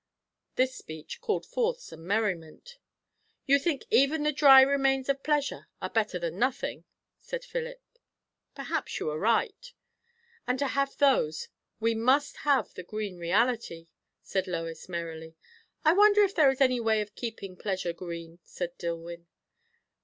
This speech called forth some merriment. "You think even the dry remains of pleasure are better than nothing!" said Philip. "Perhaps you are right." "And to have those, we must have had the green reality," said Lois merrily. "I wonder if there is any way of keeping pleasure green," said Dillwyn.